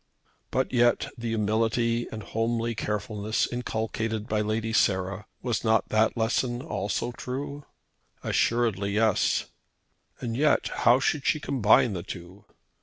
But yet the humility and homely carefulness inculcated by Lady Sarah, was not that lesson also true? Assuredly yes! And yet how should she combine the two?